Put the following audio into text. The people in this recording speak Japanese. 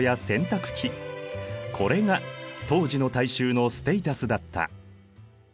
これが当時の大衆のステータスだった。